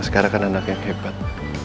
sekarang kan anak yang hebat